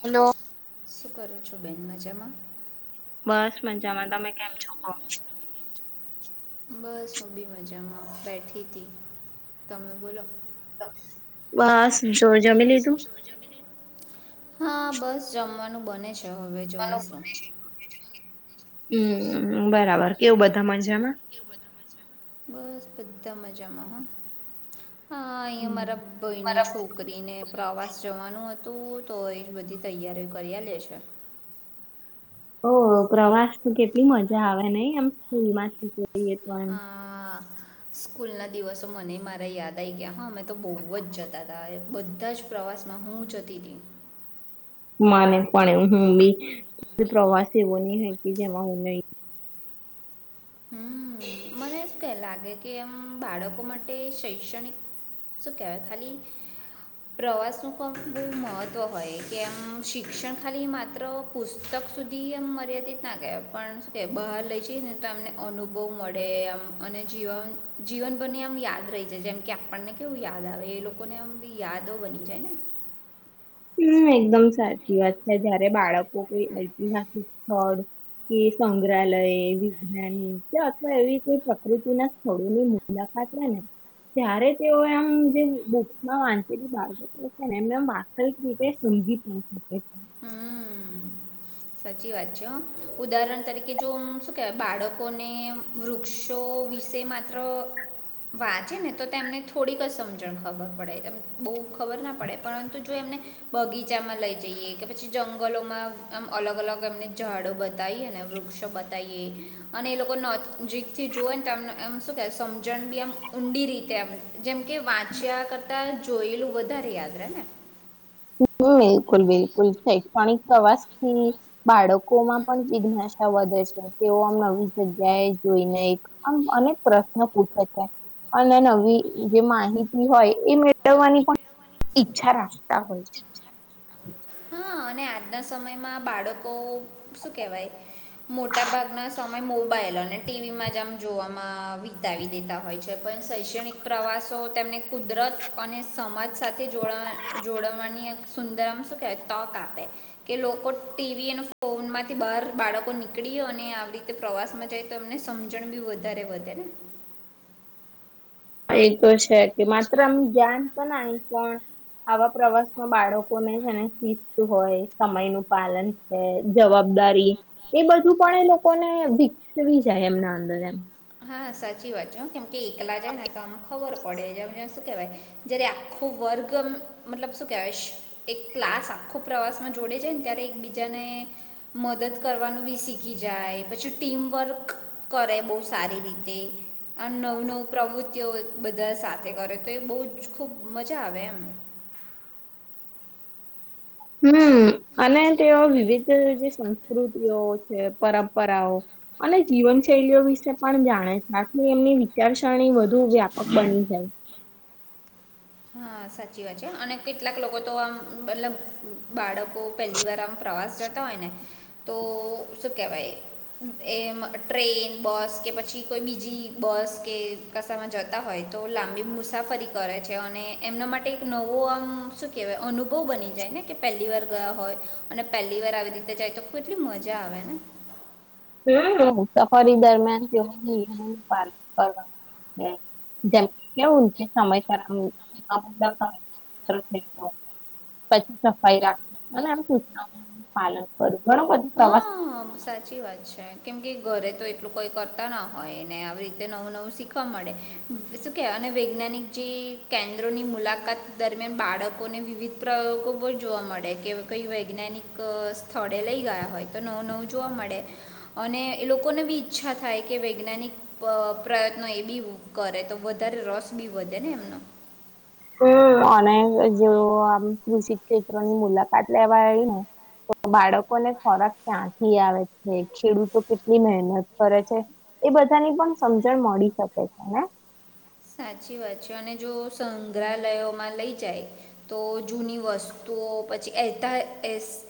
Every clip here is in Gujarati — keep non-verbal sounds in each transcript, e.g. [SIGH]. હેલો. શું કરો છો બેન મજામાં? બસ મજામાં તમે કેમ છો? બસ હુબી મજામાં બેઠી હતી તમે બોલો બસ જો જમી લીધું હા બસ જમવાનું બને છે હવે પલો જમીશું હમ બરાબર કેવું બધા મજામાં બસ બધા મજામાં હ હા અહીંયા મારા હમ્મ ભયની બરાબર. છોકરી ને પ્રવાસ પાસ જવાનું હતું તો એ જ બધી તૈયારીઓ કર્યા લેશે ઓ પ્રવાસ કેટલી મજા આવે નઈ એમ સ્કૂલમાંથી જઈએ તો એમ સ્કૂલ ના દિવસો મને મારા યાદ આવી ગયા હા મેમે તો બહુ જ જતા હતાા બધા જ પ્ર કંપાસમાં હું જતી દઉં માને પણ એ હું બી પ્રવાસ એવો નની હય કે જેમાં હું ન હમ મને શું કે લાગે કે એમ બાળકો માટે શૈક્ષણિક શું કેવાય ખાલી પ્રવાસનું પણ બહુ મહત્ત્વ હોય કેમ શિક્ષણ ખાલી માત્ર પુસ્તક સુધી એમ મર્યાદિત ના કે પણ કે બહાર લઈ છે ને તો એમને અનુભવ મળે આમ અને જીવન જીવન બને આમ યાદ રહી છે જેમ કે આપણને કેવું યાદ યાદ આવે એ લોકોને આમ બી યાદો બની જાયને હમ એકદમ સાચી વાત છે જયારે બાળકો કોઈ ઐતિહાસિક સ્થળ કે સંગ્રહાલય વિજ્ઞાાન કે અથવા એવી કોઈ પ્રકૃતિ ના સ્થળોની મુલા માત્રને ત્યારે તેઓ એમ જે બકમાં વાંચેલી બાળબતો છે ને એમ એમ કઈક રીતે સમજી ના શકે હમ સાચી વાત છે ઉદાહરણ તરીકે જો શું કેવાય બાળકોને વૃક્ષો સો્વીસે માત્ર વાંચે ને તો તેમને થોડીક જ સમજણ ખબર પડે બહુ ખબર ના પડે પરંતુ જો એમને બગીચામાં લઈ જઈએ કે પછી જંગલોમાં અલગ અલગ એમને ઝાડો બતાવી અને વૃક્ષો બતાવીએ અને એ લોકો નોીક થી જો સમજણ બી એમ ઊંડી રીતેમ જેમ કે વાંચ્યા કરતા જોયેલું વધારે યાદ રે ને બિલકુલ બિલકુલ શૈક્ષણિક પ્રવાસ થી બાળકો માં પણ જિજ્ઞાસ છા વધે છે તેઓ આમ આવીવી જગ્યાએ જોઈને એક આમ અનેક પ્રશ્નો પૂછે છે અને નવી જે માહિતી હોય એ મેળવવાની પણ ઈચ્છા રાખે ત હોય છે હા અને આજના સમયમાં બાળકો શું કેહેવાય મોટા ભાગના સમય મોબાઈલ અને ટીવીમાં જ આમ જોવામાં વિતાવી દેતા હોય છે પણ શૈક્ષણિક પ્રવાસો તેમને કુદરત અને સમાજ સાથે જો જોડવાની સુંદરમ સુું કેચ ક આપે કે લોકો ટીવી અને ફોન માંથી બહાર બાળકો નીકળી અને આવી રીતે પ્રવાસમાં જાય તો એમને સમજણ બી વધારે વધે ને એ તો છે કે માત્ર અ ધ્યાન તો ન પણ આવા પ્રવાસમાં બાળકો ને જેને શીસ્ત હોય સમય નું પાલન છે જવાબ દારી એ બધું પણ એ લોકોને વિકસવી જાય એમના અંદર એમ હા સાચી વાત છે કેમ કે એકલા જાય ને તો આમ ખબર પડે છે વા જ આખો વર્ગ મતલબ શું કેવાય એક ક્લાસ આખો પ્રવાસ જોડે જાયને ત્યારે એકબીજાને મદદ કરવાનું બી શીખી જાય પછી ટીમવર્ક કરે બહુ સારી રીતે અને નવું નવું પ્રવૃતિ બધા સાથે કરે તો એ બહુ જ ખૂબ મજા આવે એમ [INAUDIBLE] હમ અને તેઓ વિવિધ જે સંસ્કૃતિઓ છે પરંપરાઓ અને જીવન શૈલીઓ વિશે પણ જાણે આથી એમની વિચારસરણી વધ વધું વ્યાપક બની જાય હા સાચી વાત છે અને કેટલાક લોકો તો આમ મતલબ બાળક પહેલી વાર આમ પ્રવાસ જતા હોય ને તો શું કેહેવાય એમ ટ્રેન બસ કે પછી કોઈ બીજી બસ કે કાસામાં જતા હોય તો લાંબી મુસાફરી કરે છે અને એમના માટે એક નવો આમ શું કેવાય અનુભવ બની જાય ને કે પહેલી વાર ગયા હોય અને પહેલી વાર આવી રીતે જાય તો એટલી મજા આવે ને સફરી દરમિયાન તેઓ પા કરવા [INAUDIBLE] જ સમય કર [INAUDIBLE] થ પછી સફાઈ રાખ અને એમ સૂચનાઓ પાલન કરું હા સાચી વાત છે કેમ કે ઘરે તો એટલું કોઈ કરતા ના હોયને આવી રીતે નવું નવું શીખવા મળડે અને વૈજ્ઞાનિક જે કેન્દ્રોની મુલાકાત દરમિયાન બાળકોને વિવિધ પ્રયોગો જોવા મળે કે કઈ વૈજ્ઞાનિક સ્થળે લઈ ગયા નવ જોવા મળે લોકોને બી ઈચ્છા થાય કે વૈજ્ઞાનિક પ્રયત્નો એ બી કરે તો વધારે રસ બી વધે ને એમનો અને જેવ આમ કૃષિ ક્ષેત્રોની મુલાકાત લેવા આવી ને તો બાળકો ને ખોરાક ક્યાંથી આવે છે ખેડૂતો કેટલી મહેનત કરે છે એ બધાની પણ સમજણ મળી શકે છે ને હ સાચી વાત છે અને જો સંગ્રહાલયોમાં લઈ જાય તો જૂની વસ્તુ તો પછી એતા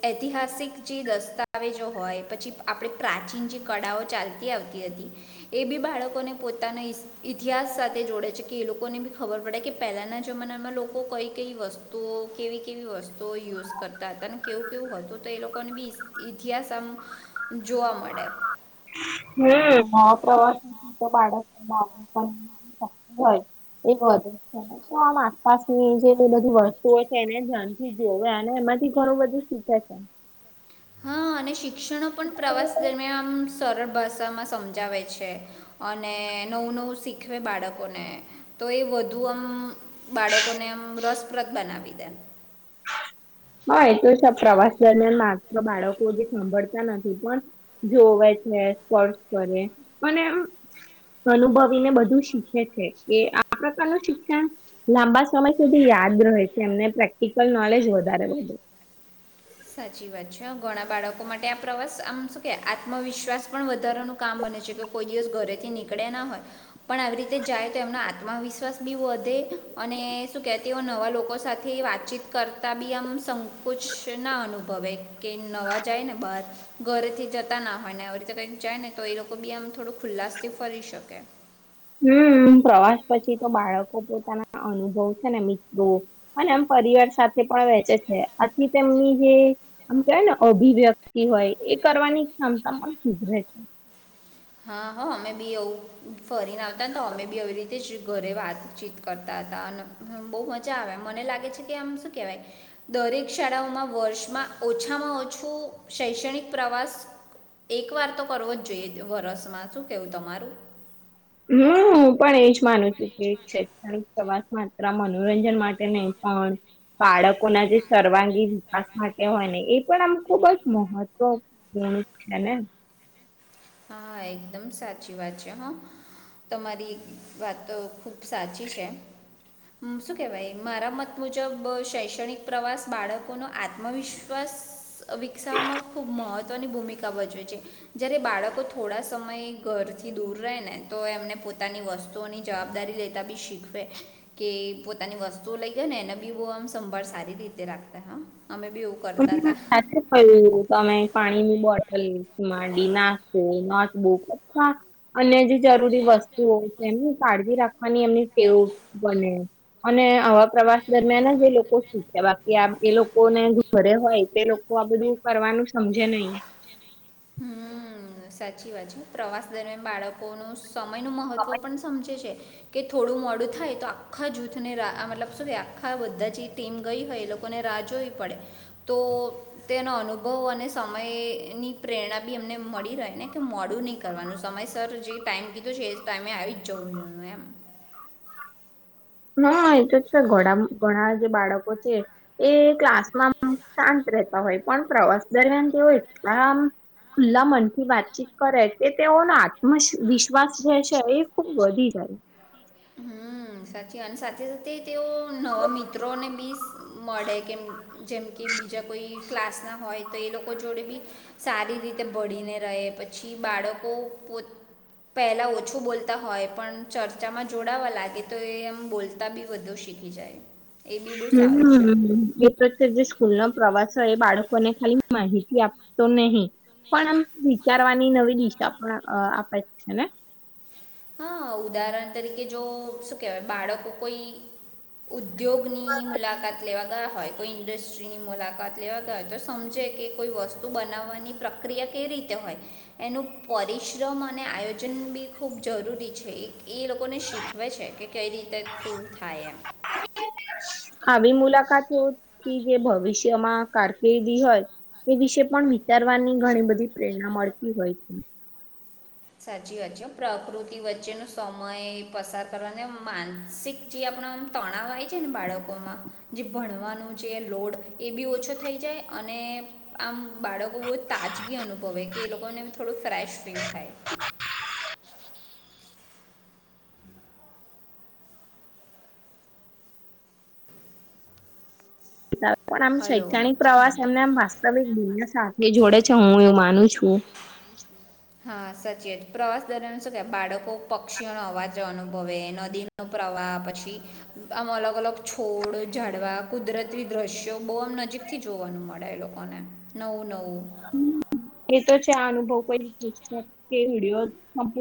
ઐતિહાસિક જે દસ્તાવેજો હોય પછી આપણે પ્રા કળાઓ ચાલતી આવતી હતી એ બી બાળકોને પોતાનો ઇતિહાસ સાથે જોડે છે કે એ લોકોને બી ખબર પડે કે પહેલાના જમાનામાં લોકો કઈ કઈ વસ્તુઓ કેવી કેવી વસ્તુઓ યુઝ કરતા હતા કેવું કેવું હતું તો એ લોકોને ઇતિહાસ આમ જોવા વામાં મળે હમ્મ પ્રવાસ તો [UNINTELLIGIBLE] એ વધ છે તો આમ આસપાસની જે બધી વસ્તુઓ છે એને ધ્યાન થી જોવે અને એમાંથી ઘણું બધું શીખે છે હા અને શિક્ષણનો પણ પ્રવાસ દરમિયાન સરળ ભાષામાં સમજાવે છે અને નવું નવું શીખવે બાળકોને તો એ વધુ આમ બાળકોને આમ રસપ્રદ બનાવી દે હા તો છે પ્રવાસ દરમિયાન માત્ર બાળકો જે સાંભળતા નથી પણ જોવે છે સ્પર્શ [UNINTELLIGIBLE] અનુભવીને બધું શીખે છે કે આ પ્રકારનું શિક્ષણ લાંબા સમય સુધી યાદ રહે છે એમને પ્રેક્ટિકલ નોલેજ વધારે મલે સાચી વાત છે ઘણા બાળકો માટે આ પ્રવાસ આમ શું કે આત્મવિશ્વાસ પણ વધારાનું કામ કરે છે કોઈ દિવસ ઘરેથી નીકળે ના હોય પણ આવી રીતે જાય તો એમનો આત્મવિશ્વાસ બી વધે અને શું કેતીઓ નવા લોકો સાથે વાતચીત કરતા બી આમ સંકુચ ના અનુભવે કે નવા જાય ને બાર ઘરે થી જતા ના હોય ને રીતે ક જાય ને તો તો એ લોકો બી આમ થોડો ખુલ્લાસ થી ફરી શકે હમ્મ પ્રવાસ પછી તો બાળકો પોતાના અનુભવ છે ને મિત્રો અને એ પરિવાર સાથે પણ વેચે છે આથી તેમની જે આમ કેવાય ને અભિવ્યક્તિ હોય કરવાની ક્ષમતા પણ સુધરે છે. હા હ અમે બી એવું ફરીને આવતા ને તો અમે બી એવી રીતે જ [INAUDIBLE] ઘરે વાતચીત કરતા હતા અને બહુ મજા આવે મને લાગે છે કે આમ શું કેહેવાય દર દરેક શાળાઓમાં વર્ષમાં ઓછામાં ઓછું શૈક્ષણિક પ્રવાસ એક વાર તો કરવો જ જોઈએ વરસમાં શું કેવું તમારું? હમ હું પણ એજ માનું છું કે શૈક્ષણિક પ્રવાસ માત્ર મનોરંજન માટે નહીં પણ બાળકોના જે સર્વાંગી વિકાસ માટે હોય ને એ પણ આમ ખુબ જ મહત્વ નું છે ને? હા એકદમ સાચી વાત છે હહ. તમારી વાત તો ખુબ સાચી છે. શું કેવાય મારા મત મુજબ શૈક્ષણિક પ્રવાસ બાળકોનો આત્મવિશ્વાસ વિકસાવવામાં ખૂબ મહત્ત્વની ભૂમિ કા ભજવે છે. જયારે બાળક તો થોડા સમય ઘરથી દૂર રહે ને તો એમને પોતાની વસ્તુઓની જવાબદારી લેતા બી શીખ ખવે કે પોતાની વસ્તુઓ લઈ ગય ને એને બી બહુ આમ સંભાળ સારી રીતે રાખતે હહ બધી વાત સાચી છે તમે પાણીની બો ટલ માંડી નાખો, નોટબુક [INAUDIBLE] અન્ય જે જરૂરી વસ્તુઓ છે. એમની કાળજી રાખવાની એમની ટેવ બને અને આવા પ્રવાસ દરમિયાન જ એ લોકો શીખે બાકી આ એ લોકોને જે ઘરે હોય તે લોકો આ બધું કરવાનું સમજે નહીં. હમ સાચી વાત છે. પ્રવાસ દરમિયાન બાળકોનું સમયનું મહત્ત્વ પન સમજે છે. કે થોડું મોડું થાય તો આખા જૂથને મતલબ શું કેવાય આખા બધા જે ટીમ ગઈ હોય એ લોકોને રાહ જોવી પડે તો તેનો અનુભવ અને સમયની પ્રેરણા બી એમને મળી રહે ને કે મોડું નહીં કરવાનું. સમયસર જે ટાઈમ કીધો છે એ જ ટાઈમે આવી જ જવું. જોઈએ એમ. [INAUDIBLE] હહ એ તો છે ઘણા ઘણા જે બાળકો છે એ ક્લાસમાં આમ શાંત રહેતા હોય પણ પ્રવાસ દરમિયાન તો એટલા આમ ખુલ્લા મનથી વાતચીત કરે કે તેઓને આત્મવિશ્વાસ જે છે એ ખૂબ વધી જાય. હમ સાચી અને સાથે સાથે તેઓ નવા મિત્રોને બી મળે કેમ જેમ કે બીજા કોઈ ક્લાસના હોય તો એ લોકો જોડે બી સારી રીતે ભળીને રહે પછી બાળકો પોત પહેલા ઓછું બોલતા હોય પણ ચર્ચામાં જોડાવા લાગે તો એ એમ બોલતા બી બધુ શીખી જાય. એ બી બહુ સારું છે હમ એ પ્રત્યે જે સ્કૂલના પ્રવાસ એ બાળકોને ખાલી માહિતી આપતો નહીં. પણ આમ વિચારવાની નવી દિશા પણ અ આપે છે ને? હહ ઉદાહરણ તરીકે જો શું કેવાય બાળકો કોઈ ઉદ્યોગની મુલાકાત લેવા ગયા હોય કોઈ ઇન્ડસ્ટ્રીની મુલાકાત લેવા ગયા હોય તો સમજે કે કોઈ વસ્તુ બનાવવાની પ્રક્રિયા કઈ રીતે હોય એનું પરિશ્રમ અને આયોજન બી ખૂબ જરૂરી છે એક એ લોકોને શીખવે છે કે કઈ રીતે શું થાય એમ. આવી મુલાકાતોથી જે ભવિષ્યમાં કારકિર્દી હોય એ વિશે પણ વિચારવાની ઘણી બધી પ્રેરણા મળતી હોય છે. સાચી વાત છે હો. પ્રકૃતિ વચ્ચેનો સમય પસાર કરવાને માનસિક જે આપ આપણે આમ તણાવ આઈ જાઈને બાળકોમાં જે ભણવાનું જે લોડ એ બી ઓછો થઈ જાય અ અને આમ બાળકો બહુ તાજગી અનુભવે કે એ લોકોને બી થોડું ફ્રેશ ફીલ થાય. પણ આમ હલો હમ શૈક્ષણિક પ્રવાસ એમને આમ વાસ્તવિક દુનિયા સાથે જોડે છે, હું એવું માનું છું હા, સાચી વાત પ્રવાસ દરમિયાન સુ કે બાળકો પક્ષીઓનો અવાજ અનુભવે, નદીનો પ્રવાહ પછી, આમાં અલગ અલગ છોડ, જાડવા, કુદરતી દ્રશ્ય જો બહુ આમ નજીક થી જોવાનું મળે એ લોકોને, નવું નવું [UNINTELLIGIBLE] એ તો છે આ અનુભવ કોઈ [UNINTELLIGIBLE] કે વિડીયો સંપ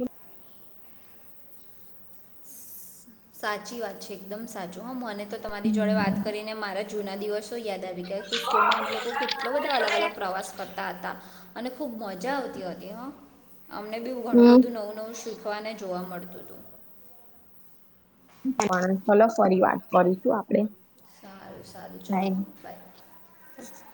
સાચી વાત છે, એકદમ સાચું. હા, મને તો તમારી જોડે વાત કરીને મારા જૂના દિવસ યાદ આવી ગયા, સ્કૂલમાં અમે લોકો કેટલો બધા અલગ અલગ પ્રવાસ કરતા હતા અને ખુબ મજા આવતી હતી, હાં અમને બી ઘણું હમ બધું નવું નવું શીખ વાને જોવા મળતુંતું. પણ ચલો ફરી વાત કરીું છું આપડે સારું સારું ચાલો બાય. હા, બાય.